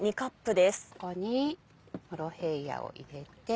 ここにモロヘイヤを入れて。